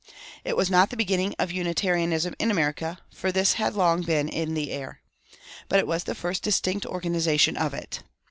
It was not the beginning of Unitarianism in America, for this had long been "in the air." But it was the first distinct organization of it.